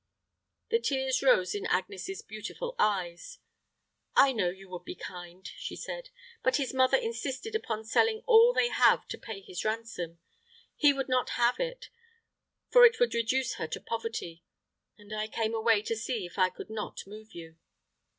The tears rose in Agnes's beautiful eyes. "I know you would be kind," she said. "But his mother insisted upon selling all they have to pay his ransom. He would not have it; for it would reduce her to poverty, and I came away to see if I could not move you."